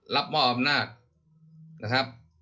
รับมอบอำนาจ